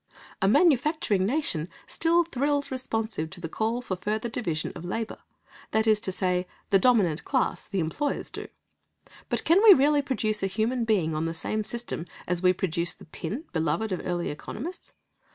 A manufacturing nation still thrills responsive to the call for further division of labour; that is to say, the dominant class, the employers do. But can we really produce a human being on the same system as we produce the pin beloved of early economists?